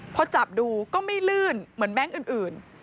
พอจับดูก็ไม่ลื่นเหมือนแบงค์อื่น